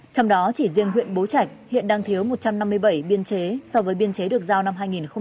trong đó chỉ riêng huyện bố trạch hiện đang thiếu một trăm năm mươi bảy biên chế so với biên chế được giao năm hai nghìn một mươi bảy